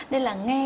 nên là nghe